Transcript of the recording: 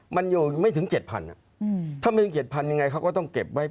มันอยู่ไม่ถึง๗๐๐ถ้าไม่ถึง๗๐๐ยังไงเขาก็ต้องเก็บไว้